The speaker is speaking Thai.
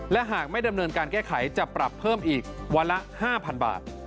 และหากไม่ดำเนินการแก้ไขจะปรับเพิ่มอีกวันละ๕๐๐๐บาท